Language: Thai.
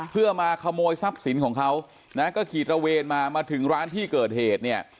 เพื่อมาขโมยทรัพย์สินของเขาก็ขี่ตระเวนมามาถึงร้านที่เกิดเหตุเนี่ย